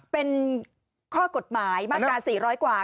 เป็นข้อกฎหมายมาตรา๔๐๐กว่า